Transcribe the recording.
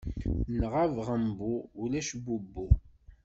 Nɣeb ɣembu ulac bubbu.